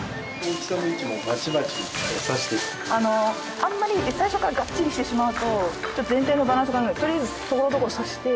あんまり最初からガッチリしてしまうと全体のバランスがあるのでとりあえずところどころ挿して。